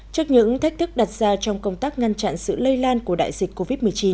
trước những thách thức đặt ra trong công tác ngăn chặn sự lây lan của đại dịch covid một mươi chín